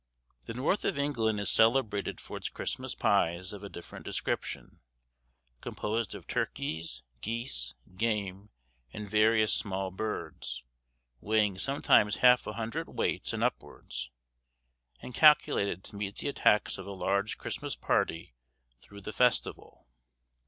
The north of England is celebrated for its Christmas pies of a different description, composed of turkeys, geese, game, and various small birds, weighing sometimes half a hundred weight and upwards, and calculated to meet the attacks of a large Christmas party throughout the festival.